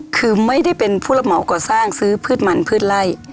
คือไม่ได้เป็นผู้รับเหมาก่อสร้างซื้อพืชมันพืชไล่